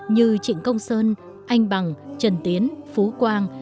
như trịnh công sơn anh bằng trần tiến phú quang